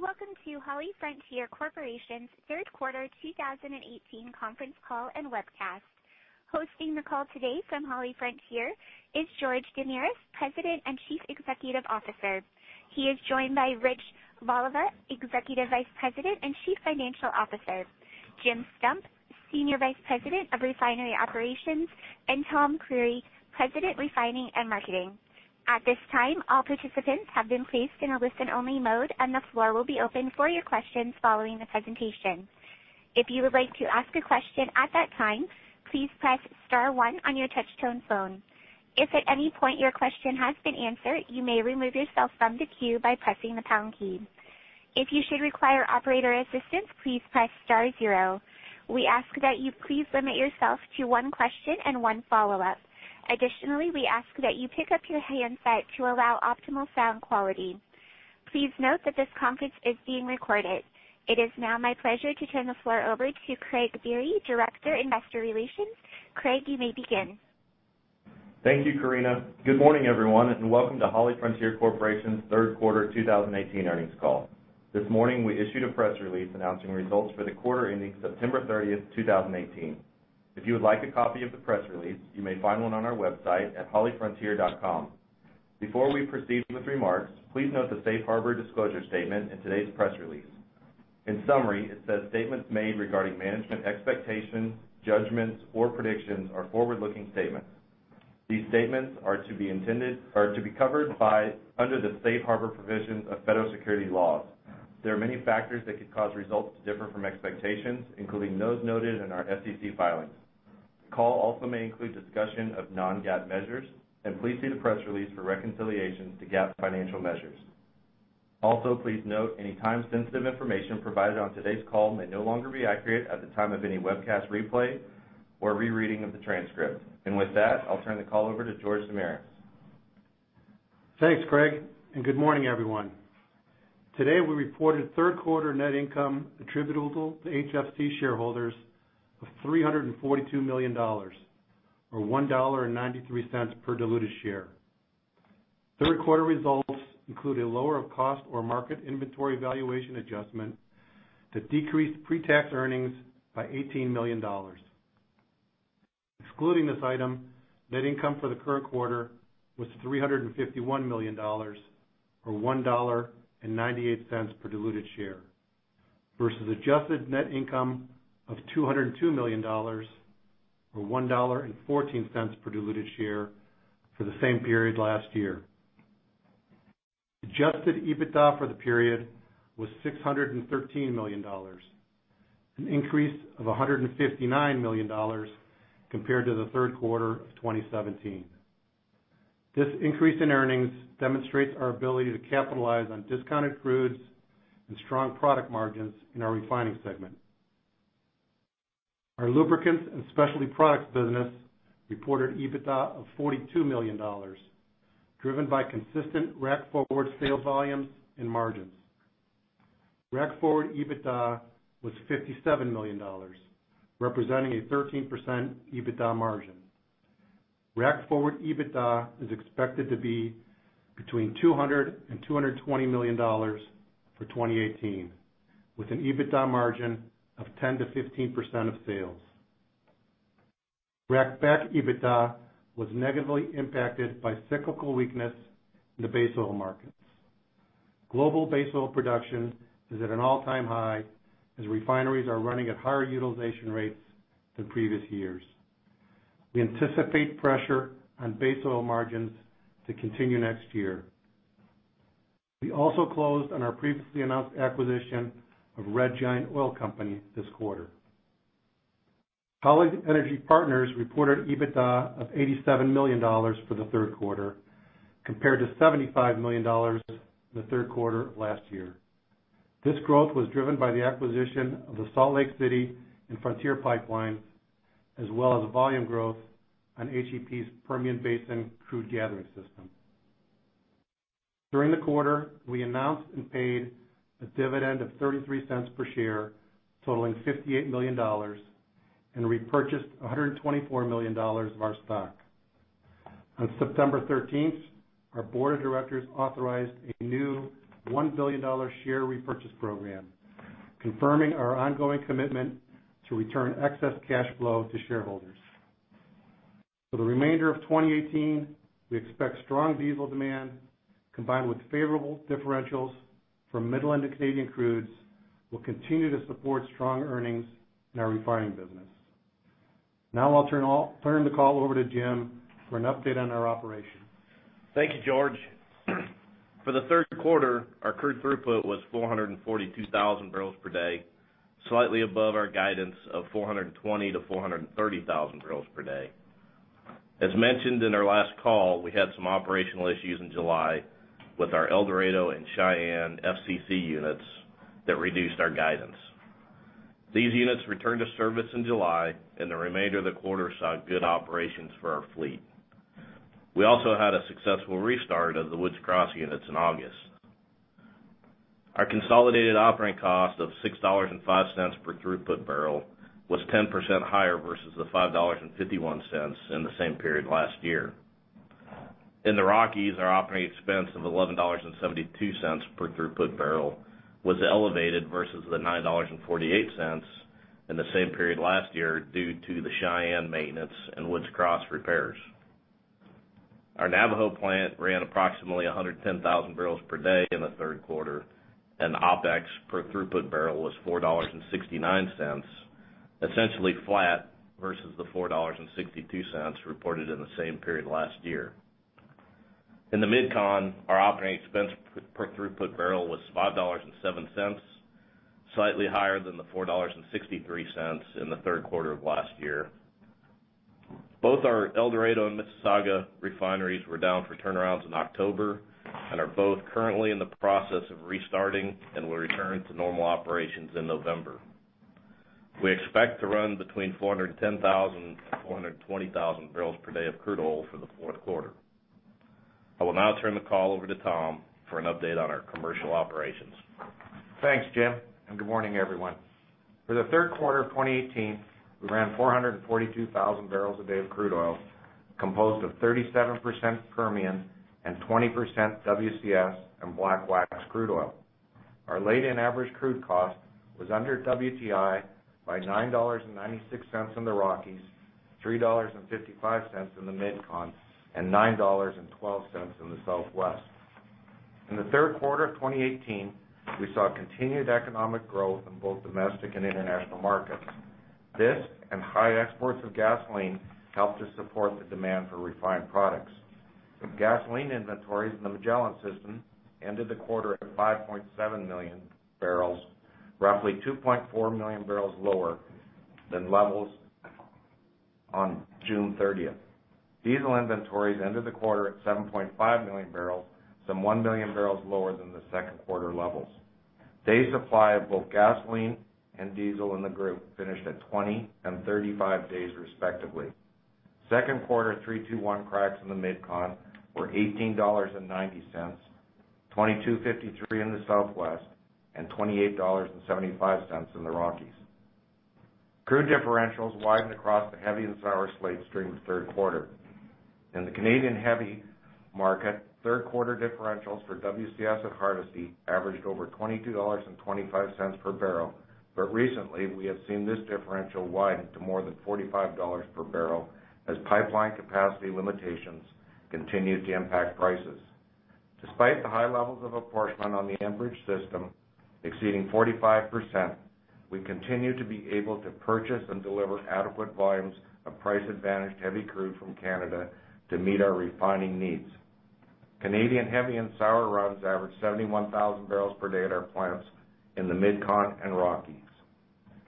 Welcome to HollyFrontier Corporation's third quarter 2018 conference call and webcast. Hosting the call today from HollyFrontier is George Damiris, President and Chief Executive Officer. He is joined by Rich Voliva, Executive Vice President and Chief Financial Officer, Jim Stump, Senior Vice President of Refinery Operations, and Tom Creery, President, Refining & Marketing. At this time, all participants have been placed in a listen-only mode. The floor will be open for your questions following the presentation. If you would like to ask a question at that time, please press star one on your touch-tone phone. If at any point your question has been answered, you may remove yourself from the queue by pressing the pound key. If you should require operator assistance, please press star zero. We ask that you please limit yourself to one question and one follow-up. Additionally, we ask that you pick up your handset to allow optimal sound quality. Please note that this conference is being recorded. It is now my pleasure to turn the floor over to Craig Biery, Director, Investor Relations. Craig, you may begin. Thank you, Karina. Good morning, everyone, and welcome to HollyFrontier Corporation's third quarter 2018 earnings call. This morning, we issued a press release announcing results for the quarter ending September 30, 2018. If you would like a copy of the press release, you may find one on our website at hollyfrontier.com. Before we proceed with remarks, please note the safe harbor disclosure statement in today's press release. In summary, it says statements made regarding management expectations, judgments, or predictions are forward-looking statements. These statements are to be covered under the safe harbor provisions of federal securities laws. There are many factors that could cause results to differ from expectations, including those noted in our SEC filings. The call also may include discussion of non-GAAP measures. Please see the press release for reconciliations to GAAP financial measures. Also, please note any time-sensitive information provided on today's call may no longer be accurate at the time of any webcast replay or rereading of the transcript. With that, I'll turn the call over to George Damiris. Thanks, Craig, and good morning, everyone. Today, we reported third-quarter net income attributable to HFC shareholders of $342 million, or $1.93 per diluted share. Third-quarter results include a lower cost or market inventory valuation adjustment that decreased pre-tax earnings by $18 million. Excluding this item, net income for the current quarter was $351 million, or $1.98 per diluted share versus adjusted net income of $202 million, or $1.14 per diluted share for the same period last year. Adjusted EBITDA for the period was $613 million, an increase of $159 million compared to the third quarter of 2017. This increase in earnings demonstrates our ability to capitalize on discounted crudes and strong product margins in our refining segment. Our Lubricants and Specialty Products business reported EBITDA of $42 million, driven by consistent rack forward sales volumes and margins. Rack forward EBITDA was $57 million, representing a 13% EBITDA margin. Rack forward EBITDA is expected to be between $200 million and $220 million for 2018, with an EBITDA margin of 10%-15% of sales. Rack back EBITDA was negatively impacted by cyclical weakness in the base oil markets. Global base oil production is at an all-time high as refineries are running at higher utilization rates than previous years. We anticipate pressure on base oil margins to continue next year. We also closed on our previously announced acquisition of Red Giant Oil Company this quarter. Holly Energy Partners reported EBITDA of $87 million for the third quarter, compared to $75 million in the third quarter of last year. This growth was driven by the acquisition of the Salt Lake City and Frontier Pipelines, as well as volume growth on HEP's Permian Basin crude gathering system. During the quarter, we announced and paid a dividend of $0.33 per share, totaling $58 million, and repurchased $124 million of our stock. On September 13th, our board of directors authorized a new $1 billion share repurchase program, confirming our ongoing commitment to return excess cash flow to shareholders. For the remainder of 2018, we expect strong diesel demand, combined with favorable differentials from Midland and Canadian crudes will continue to support strong earnings in our refining business. Now, I'll turn the call over to Jim for an update on our operations. Thank you, George. For the third quarter, our crude throughput was 442,000 barrels per day, slightly above our guidance of 420,000-430,000 barrels per day. As mentioned in our last call, we had some operational issues in July with our El Dorado and Cheyenne FCC units that reduced our guidance. These units returned to service in July, and the remainder of the quarter saw good operations for our fleet. We also had a successful restart of the Woods Cross units in August. Our consolidated operating cost of $6.05 per throughput barrel was 10% higher versus the $5.51 in the same period last year. In the Rockies, our operating expense of $11.72 per throughput barrel was elevated versus the $9.48 in the same period last year due to the Cheyenne maintenance and Woods Cross repairs. Our Navajo plant ran approximately 110,000 barrels per day in the third quarter, and the OPEX per throughput barrel was $4.69, essentially flat versus the $4.62 reported in the same period last year. In the MidCon, our operating expense per throughput barrel was $5.07, slightly higher than the $4.63 in the third quarter of last year. Both our El Dorado and Mississauga refineries were down for turnarounds in October and are both currently in the process of restarting and will return to normal operations in November. We expect to run between 410,000 to 420,000 barrels per day of crude oil for the fourth quarter. I will now turn the call over to Tom for an update on our commercial operations. Thanks, Jim, and good morning, everyone. For the third quarter of 2018, we ran 442,000 barrels a day of crude oil, composed of 37% Permian and 20% WCS and black wax crude oil. Our laid-in average crude cost was under WTI by $9.96 in the Rockies, $3.55 in the MidCon, and $9.12 in the Southwest. In the third quarter of 2018, we saw continued economic growth in both domestic and international markets. This and high exports of gasoline helped to support the demand for refined products. Gasoline inventories in the Magellan system ended the quarter at 5.7 million barrels, roughly 2.4 million barrels lower than levels on June 30th. Diesel inventories ended the quarter at 7.5 million barrels, some one million barrels lower than the second quarter levels. Days of supply of both gasoline and diesel in the group finished at 20 and 35 days, respectively. Second quarter 3-2-1 cracks in the MidCon were $18.90, $22.53 in the Southwest, and $28.75 in the Rockies. Crude differentials widened across the heavy and sour slates during the third quarter. Recently, we have seen this differential widen to more than $45 per barrel as pipeline capacity limitations continue to impact prices. Despite the high levels of apportionment on the Enbridge system exceeding 45%, we continue to be able to purchase and deliver adequate volumes of price-advantaged heavy crude from Canada to meet our refining needs. Canadian heavy and sour runs averaged 71,000 barrels per day at our plants in the MidCon and Rockies.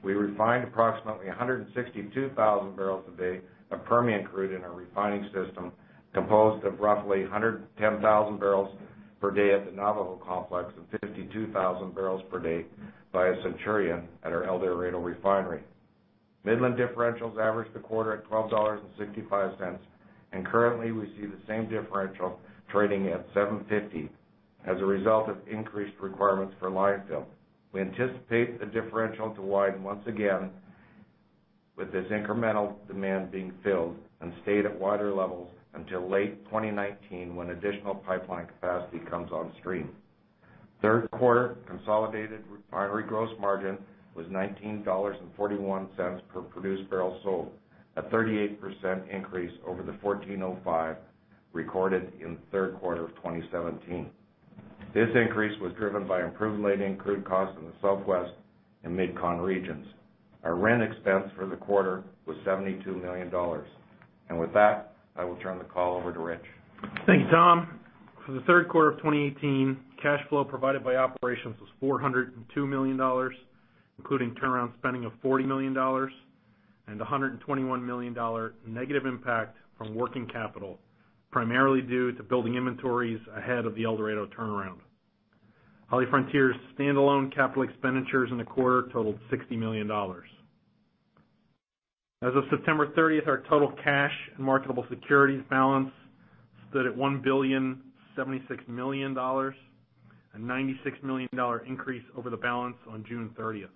We refined approximately 162,000 barrels a day of Permian crude in our refining system, composed of roughly 110,000 barrels per day at the Navajo complex and 52,000 barrels per day via Centurion at our El Dorado refinery. Midland differentials averaged the quarter at $12.65, and currently we see the same differential trading at $7.50 as a result of increased requirements for line fill. We anticipate the differential to widen once again with this incremental demand being filled and stay at wider levels until late 2019, when additional pipeline capacity comes on stream. Third quarter consolidated refinery gross margin was $19.41 per produced barrel sold, a 38% increase over the $14.05 recorded in the third quarter of 2017. This increase was driven by improved laid-in crude costs in the Southwest and MidCon regions. Our RIN expense for the quarter was $72 million. With that, I will turn the call over to Rich. Thank you, Tom. For the third quarter of 2018, cash flow provided by operations was $402 million, including turnaround spending of $40 million and $121 million negative impact from working capital, primarily due to building inventories ahead of the El Dorado turnaround. HollyFrontier's standalone capital expenditures in the quarter totaled $60 million. As of September 30th, our total cash and marketable securities balance stood at $1.076 billion, a $96 million increase over the balance on June 30th.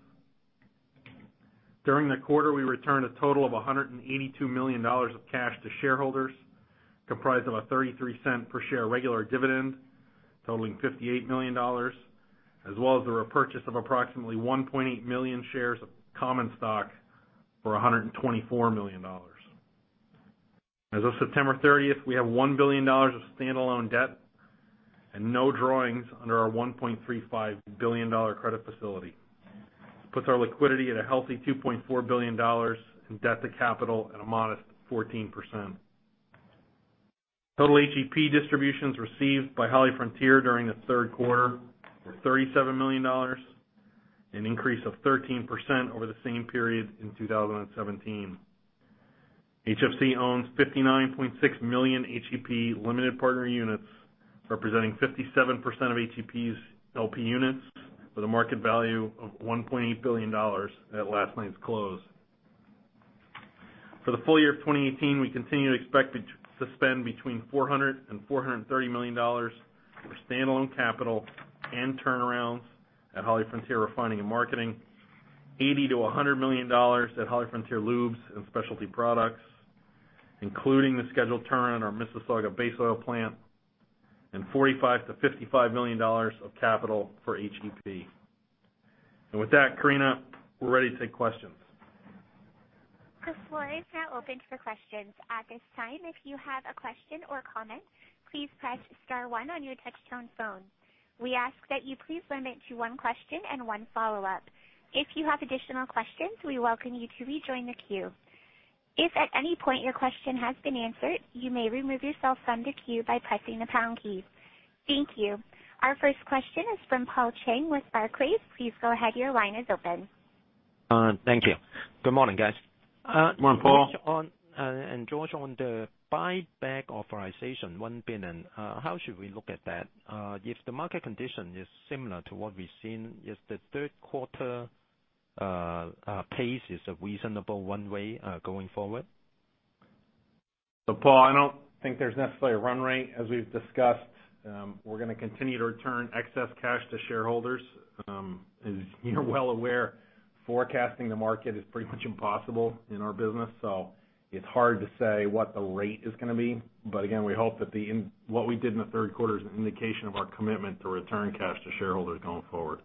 During the quarter, we returned a total of $182 million of cash to shareholders, comprised of a $0.33 per share regular dividend totaling $58 million, as well as the repurchase of approximately 1.8 million shares of common stock for $124 million. As of September 30th, we have $1 billion of standalone debt and no drawings under our $1.35 billion credit facility. This puts our liquidity at a healthy $2.4 billion and debt to capital at a modest 14%. Total HEP distributions received by HollyFrontier during the third quarter were $37 million, an increase of 13% over the same period in 2017. HFC owns 59.6 million HEP limited partner units, representing 57% of HEP's LP units with a market value of $1.8 billion at last night's close. For the full year of 2018, we continue to expect to spend between $400 million-$430 million for standalone capital and turnarounds at HollyFrontier Refining & Marketing, $80 million-$100 million at HollyFrontier Lubes & Specialty Products, including the scheduled turnaround at our Mississauga base oil plant, and $45 million-$55 million of capital for HEP. With that, Karina, we're ready to take questions. The floor is now open for questions. At this time, if you have a question or comment, please press star one on your touch-tone phone. We ask that you please limit to one question and one follow-up. If you have additional questions, we welcome you to rejoin the queue. If at any point your question has been answered, you may remove yourself from the queue by pressing the pound key. Thank you. Our first question is from Paul Cheng with Barclays. Please go ahead. Your line is open. Thank you. Good morning, guys. Good morning, Paul. George, on the buyback authorization, $1 billion, how should we look at that? If the market condition is similar to what we've seen, is the third quarter pace a reasonable one way going forward? Paul, I don't think there's necessarily a run rate as we've discussed. We're going to continue to return excess cash to shareholders. You're well aware, forecasting the market is pretty much impossible in our business. It's hard to say what the rate is going to be. Again, we hope that what we did in the third quarter is an indication of our commitment to return cash to shareholders going forward.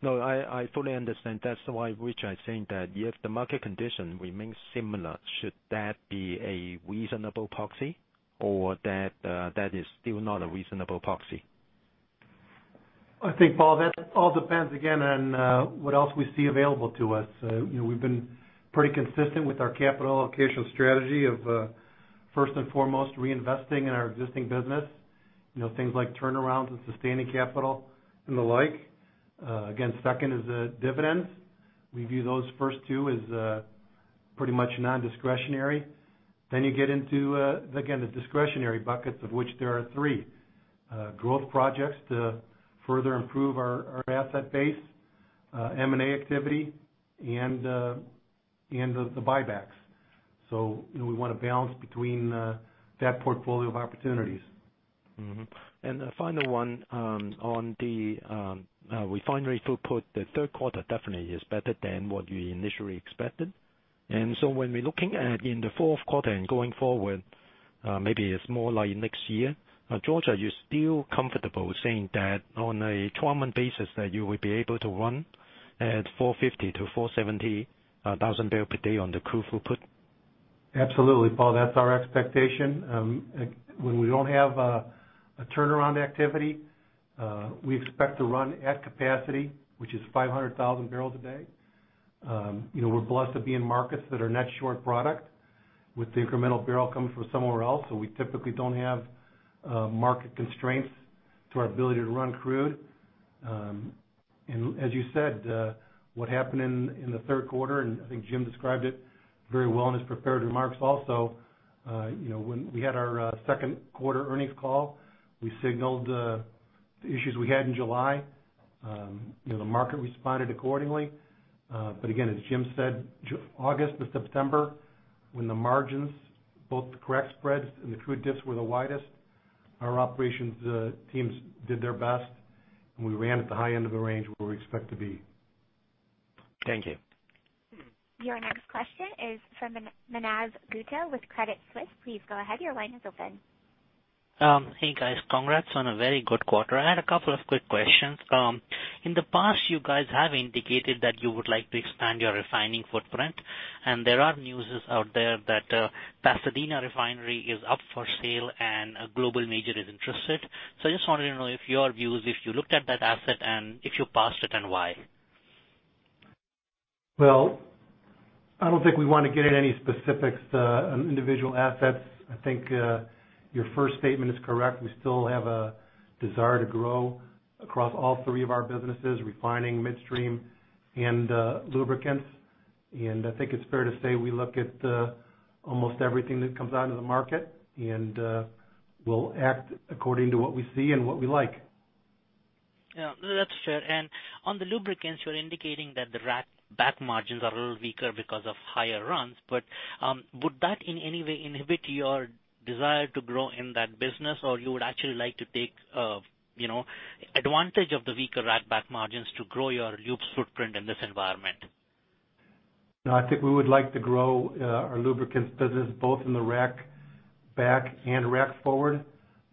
No, I fully understand. That's why, which I think that if the market condition remains similar, should that be a reasonable proxy or that is still not a reasonable proxy? I think, Paul, that all depends, again, on what else we see available to us. We've been pretty consistent with our capital allocation strategy of first and foremost, reinvesting in our existing business. Things like turnarounds and sustaining capital and the like. Again, second is dividends. We view those first two as pretty much non-discretionary. Then you get into, again, the discretionary buckets, of which there are three. Growth projects to further improve our asset base, M&A activity, and the buybacks. We want to balance between that portfolio of opportunities. The final one on the refinery throughput, the third quarter definitely is better than what you initially expected. When we're looking at in the fourth quarter and going forward, maybe it's more like next year, George, are you still comfortable saying that on a 12-month basis that you would be able to run at 450,000-470,000 barrel per day on the crude throughput? Absolutely, Paul. That's our expectation. When we don't have a turnaround activity, we expect to run at capacity, which is 500,000 barrels a day. We're blessed to be in markets that are net short product with the incremental barrel coming from somewhere else, so we typically don't have market constraints to our ability to run crude. As you said, what happened in the third quarter, and I think Jim described it very well in his prepared remarks also. When we had our second quarter earnings call, we signaled the issues we had in July. The market responded accordingly. Again, as Jim said, August to September, when the margins, both the crack spreads and the crude dips were the widest, our operations teams did their best, and we ran at the high end of the range where we expect to be. Thank you. Your next question is from Manav Gupta with Credit Suisse. Please go ahead. Your line is open. Hey, guys. Congrats on a very good quarter. I had a couple of quick questions. In the past, you guys have indicated that you would like to expand your refining footprint, and there are news out there that Pasadena Refinery is up for sale and a global major is interested. I just wanted to know your views if you looked at that asset and if you passed it and why. I don't think we want to get into any specifics on individual assets. I think your first statement is correct. We still have a desire to grow across all three of our businesses, refining, midstream, and lubricants. I think it's fair to say we look at almost everything that comes out in the market, and we'll act according to what we see and what we like. On the lubricants, would that in any way inhibit your desire to grow in that business or you would actually like to take advantage of the weaker rack back margins to grow your lubes footprint in this environment? No, I think we would like to grow our lubricants business both in the rack back and rack forward.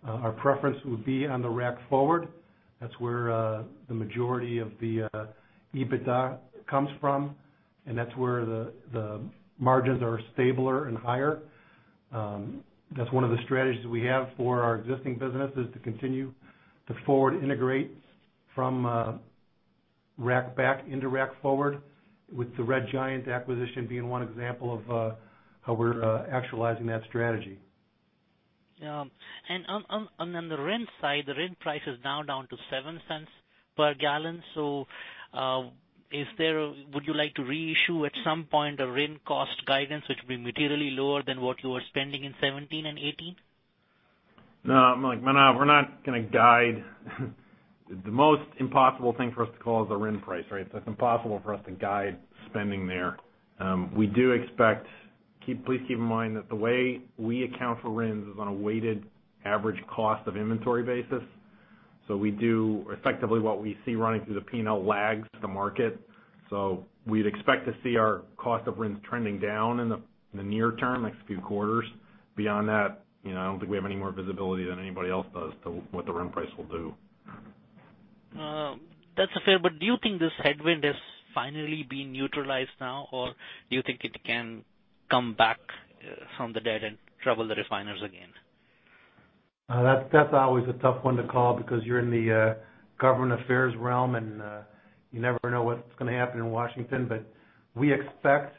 Our preference would be on the rack forward. That's where the majority of the EBITDA comes from, and that's where the margins are stabler and higher. That's one of the strategies we have for our existing business is to continue to forward integrate from rack back into rack forward with the Red Giant acquisition being one example of how we're actualizing that strategy. On the RIN side, the RIN price is now down to $0.07 per gallon. Would you like to reissue at some point a RIN cost guidance which will be materially lower than what you were spending in 2017 and 2018? No, Manav, we're not going to guide. The most impossible thing for us to call is a RIN price, right? It's impossible for us to guide spending there. We do expect Please keep in mind that the way we account for RINs is on a weighted average cost of inventory basis. We do effectively what we see running through the P&L lags the market. We'd expect to see our cost of RINs trending down in the near term, next few quarters. Beyond that, I don't think we have any more visibility than anybody else does to what the RIN price will do. That's fair. Do you think this headwind is finally being neutralized now, or do you think it can come back from the dead and trouble the refiners again? That's always a tough one to call because you're in the government affairs realm, and you never know what's going to happen in Washington. We expect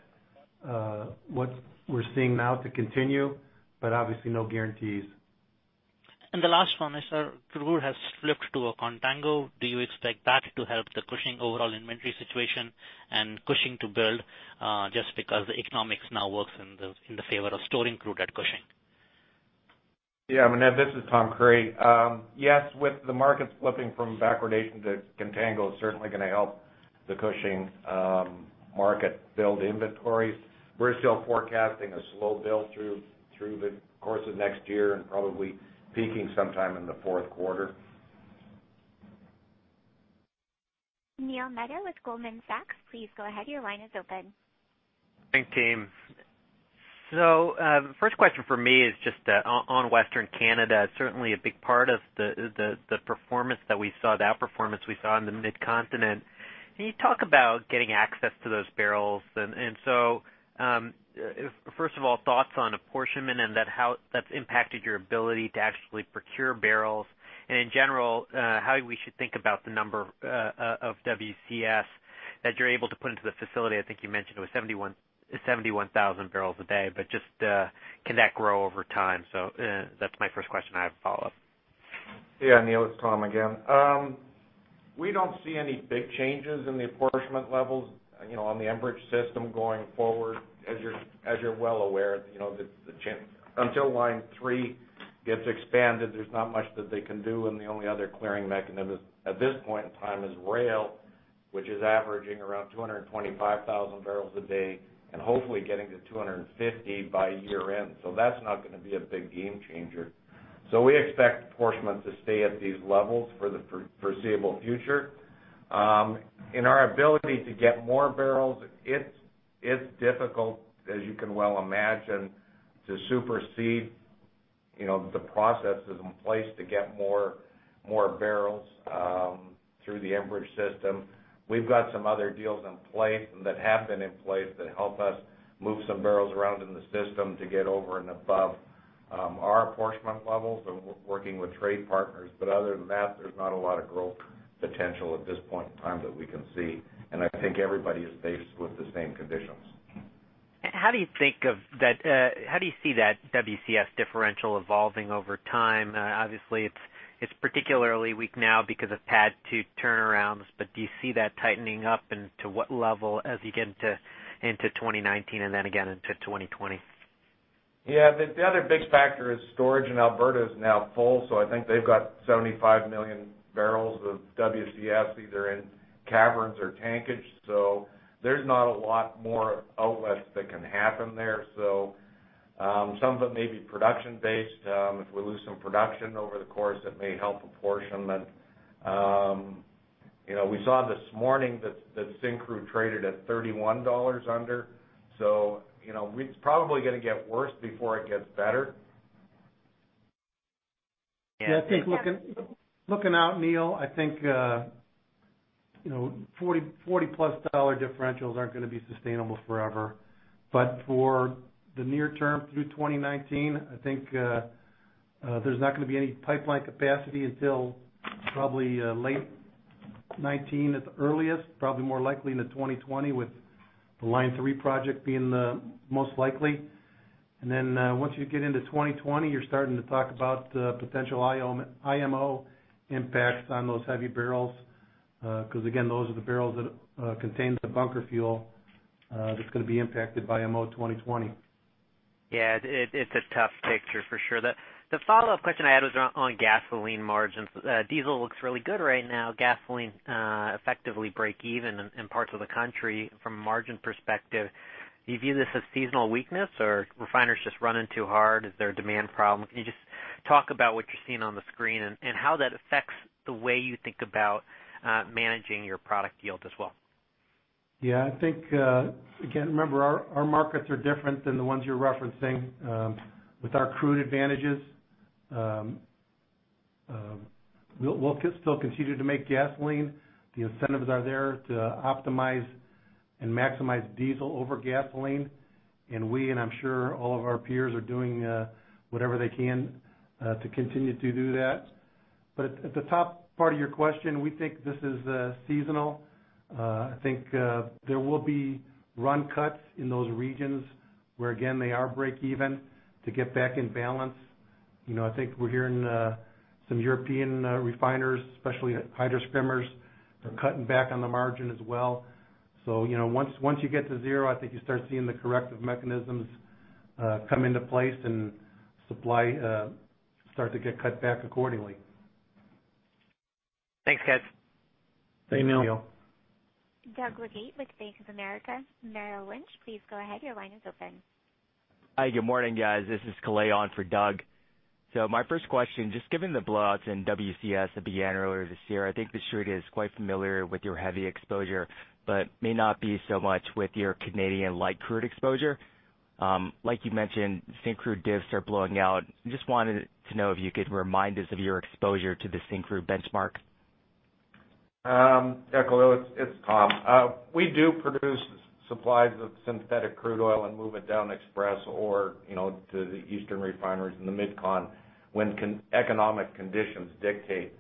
what we're seeing now to continue, but obviously no guarantees. The last one is, crude oil has flipped to a contango. Do you expect that to help the Cushing overall inventory situation and Cushing to build, just because the economics now works in the favor of storing crude at Cushing? Yeah, Manav, this is Thomas Creery. Yes, with the market flipping from backwardation to contango, it's certainly going to help the Cushing market build inventory. We're still forecasting a slow build through the course of next year and probably peaking sometime in the fourth quarter. Neil Mehta with Goldman Sachs, please go ahead. Your line is open. Thanks, team. The first question from me is just on Western Canada. Certainly a big part of the performance that we saw, that performance we saw in the Mid-Continent. Can you talk about getting access to those barrels? First of all, thoughts on apportionment and how that's impacted your ability to actually procure barrels. In general, how we should think about the number of WCS that you're able to put into the facility. I think you mentioned it was 71,000 barrels a day, can that grow over time? That's my first question. I have a follow-up. Yeah, Neil, it's Tom again. We don't see any big changes in the apportionment levels on the Enbridge system going forward. As you're well aware, until Line 3 gets expanded, there's not much that they can do, and the only other clearing mechanism at this point in time is rail, which is averaging around 225,000 barrels a day and hopefully getting to 250 by year-end. That's not going to be a big game changer. We expect apportionment to stay at these levels for the foreseeable future. In our ability to get more barrels, it's difficult, as you can well imagine, to supersede the processes in place to get more barrels through the Enbridge system. We've got some other deals in place and that have been in place that help us move some barrels around in the system to get over and above our apportionment levels and working with trade partners. Other than that, there's not a lot of growth potential at this point in time that we can see. I think everybody is faced with the same conditions. How do you see that WCS differential evolving over time? Obviously, it's particularly weak now because of PADD 2 turnarounds, do you see that tightening up and to what level as you get into 2019 and then again into 2020? Yeah. The other big factor is storage in Alberta is now full. I think they've got $75 million barrels of WCS either in caverns or tankage. There's not a lot more outlets that can happen there. Some of it may be production-based. If we lose some production over the course, that may help apportionment. We saw this morning that Syncrude traded at $31 under. It's probably going to get worse before it gets better. Yeah, I think looking out, Neil, I think $40-plus differentials aren't going to be sustainable forever. For the near term through 2019, I think there's not going to be any pipeline capacity until probably late 2019 at the earliest, probably more likely into 2020 with the Line 3 project being the most likely. Then once you get into 2020, you're starting to talk about potential IMO impacts on those heavy barrels, because again, those are the barrels that contain the bunker fuel that's going to be impacted by IMO 2020. Yeah. It's a tough picture for sure. The follow-up question I had was on gasoline margins. Diesel looks really good right now. Gasoline effectively break even in parts of the country from a margin perspective. Do you view this as seasonal weakness or refiners just running too hard? Is there a demand problem? Can you just talk about what you're seeing on the screen and how that affects the way you think about managing your product yield as well? Yeah, I think, again, remember, our markets are different than the ones you're referencing with our crude advantages. We'll still continue to make gasoline. The incentives are there to optimize and maximize diesel over gasoline, and we, and I'm sure all of our peers, are doing whatever they can to continue to do that. At the top part of your question, we think this is seasonal. I think there will be run cuts in those regions where, again, they are break even to get back in balance. I think we're hearing some European refiners, especially hydroskimming, are cutting back on the margin as well. Once you get to zero, I think you start seeing the corrective mechanisms come into place and supply start to get cut back accordingly. Thanks, guys. Thank you. Doug Leggate with Bank of America Merrill Lynch. Please go ahead. Your line is open. Hi, good morning, guys. This is Kalei on for Doug. My first question, just given the blowouts in WCS that began earlier this year, I think the Street is quite familiar with your heavy exposure, but may not be so much with your Canadian light crude exposure. Like you mentioned, syn crude diffs are blowing out. Just wanted to know if you could remind us of your exposure to the syn crude benchmark. Yeah, Kalei, it's Tom. We do produce supplies of synthetic crude oil and move it down Express or to the eastern refineries in the MidCon when economic conditions dictate.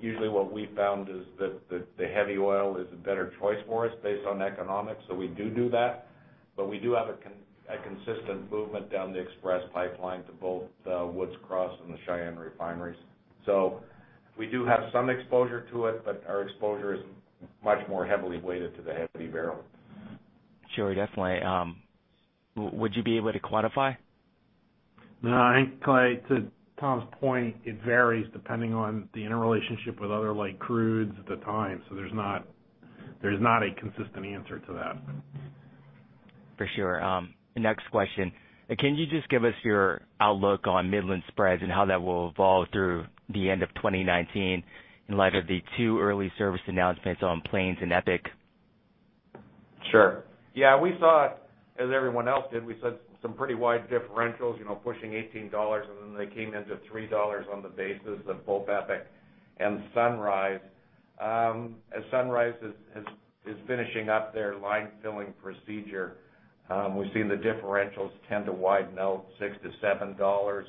Usually what we've found is that the heavy oil is a better choice for us based on economics. We do that. We do have a consistent movement down the Express Pipeline to both Woods Cross and the Cheyenne refineries. We do have some exposure to it, but our exposure is much more heavily weighted to the heavy barrel. Sure, definitely. Would you be able to quantify? No, I think, Kalei, to Tom's point, it varies depending on the interrelationship with other light crudes at the time. There's not a consistent answer to that. For sure. Next question. Can you just give us your outlook on Midland spreads and how that will evolve through the end of 2019 in light of the two early service announcements on Plains and EPIC? Sure. Yeah, we saw it as everyone else did. We saw some pretty wide differentials pushing $18, and then they came into $3 on the basis of both EPIC and Sunrise. As Sunrise is finishing up their line filling procedure, we've seen the differentials tend to widen out $6-$7.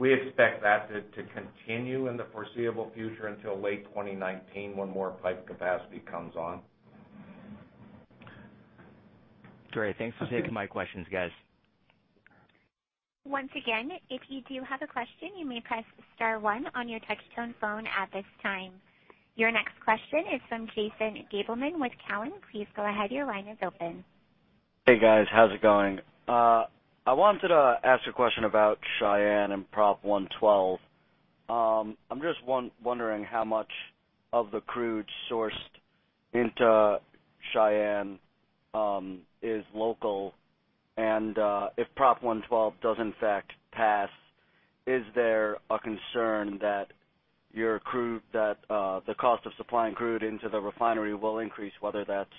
We expect that to continue in the foreseeable future until late 2019, when more pipe capacity comes on. Great. Thanks for taking my questions, guys. Once again, if you do have a question, you may press star one on your touch-tone phone at this time. Your next question is from Jason Gabelman with Cowen. Please go ahead. Your line is open. Hey, guys. How's it going? I wanted to ask a question about Cheyenne and Proposition 112. I'm just wondering how much of the crude sourced into Cheyenne is local, and if Proposition 112 does in fact pass, is there a concern that the cost of supplying crude into the refinery will increase, whether that's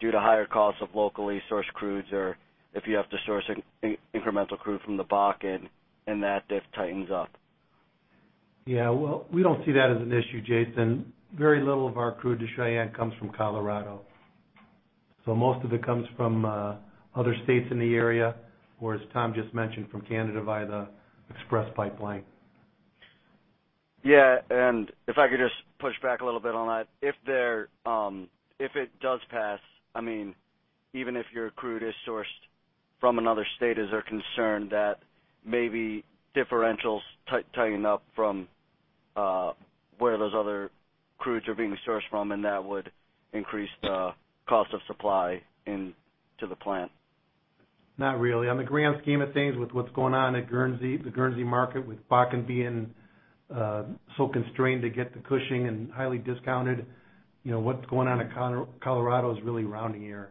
due to higher costs of locally sourced crudes or if you have to source incremental crude from the Bakken and that diff tightens up? Yeah. Well, we don't see that as an issue, Jason. Very little of our crude to Cheyenne comes from Colorado. Most of it comes from other states in the area, or as Tom just mentioned, from Canada via the Express Pipeline. Yeah. If I could just push back a little bit on that. If it does pass, even if your crude is sourced from another state, is there concern that maybe differentials tighten up from where those other crudes are being sourced from, and that would increase the cost of supply into the plant? Not really. On the grand scheme of things, with what's going on at the Guernsey market, with Bakken being so constrained to get to Cushing and highly discounted, what's going on at Colorado is really rounding error.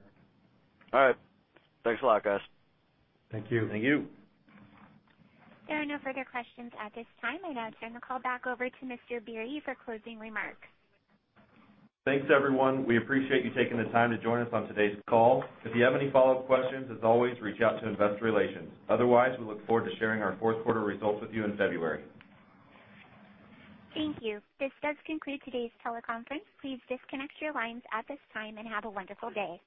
All right. Thanks a lot, guys. Thank you. Thank you. There are no further questions at this time. I now turn the call back over to Mr. Biery for closing remarks. Thanks, everyone. We appreciate you taking the time to join us on today's call. If you have any follow-up questions, as always, reach out to investor relations. Otherwise, we look forward to sharing our fourth quarter results with you in February. Thank you. This does conclude today's teleconference. Please disconnect your lines at this time and have a wonderful day.